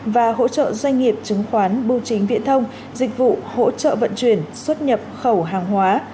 và hỗ trợ doanh nghiệp chứng khoán bưu chính viễn thông dịch vụ hỗ trợ vận chuyển xuất nhập khẩu hàng hóa